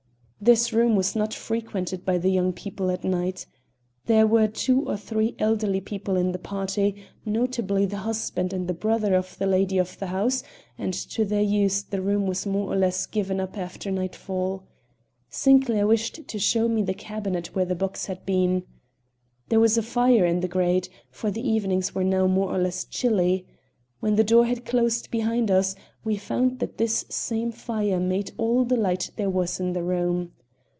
This room was not frequented by the young people at night. There were two or three elderly people in the party, notably the husband and the brother of the lady of the house, and to their use the room was more or less given up after nightfall. Sinclair wished to show me the cabinet where the box had been. There was a fire in the grate, for the evenings were now more or less chilly. When the door had closed behind us we found that this same fire made all the light there was in the room.